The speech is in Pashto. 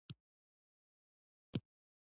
د کابل زړې کوڅې د پخواني ژوند نښې لري.